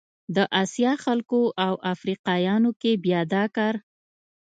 د اسیا خلکو او افریقایانو کې بیا دا کار